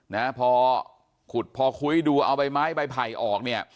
นะพอขุดพอคุ้ยดูเอาใบไม้ใบไผ่ออกเนี่ย